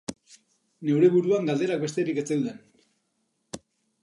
Neure buruan galderak besterik ez zeuden.